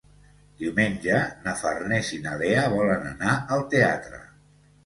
Diumenge na Farners i na Lea volen anar al teatre.